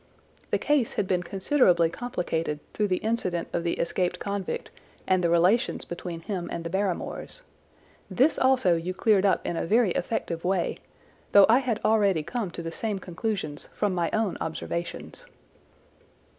The case had been considerably complicated through the incident of the escaped convict and the relations between him and the Barrymores. This also you cleared up in a very effective way, though I had already come to the same conclusions from my own observations.